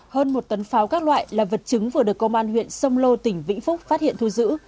hơn một tấn pháo các loại là vật chứng vừa được công an huyện sông lô tỉnh vĩnh phúc phát hiện thu giữ